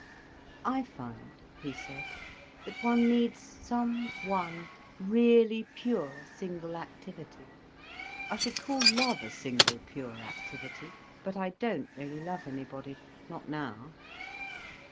"I find," he said, "that one needs some one really pure single activity—I should call love a single pure activity. But I don't really love anybody—not now."